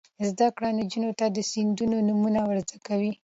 زده کړه نجونو ته د سیندونو نومونه ور زده کوي.